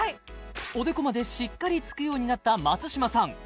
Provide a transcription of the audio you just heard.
おでこまでしっかりつくようになった松嶋さん